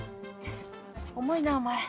重いなお前。